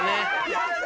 やった！